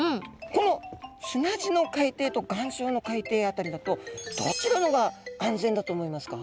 この砂地の海底と岩礁の海底辺りだとどちらの方が安全だと思いますか？